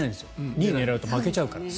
２位を狙うと負けちゃうから。